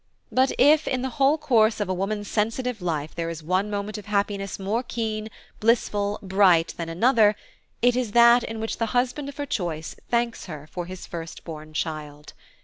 But if in the whole course of woman's sensitive life there is one moment of happiness more keen, blissful, bright, than another, it is that in which the husband of her choice thanks her for his firstborn child.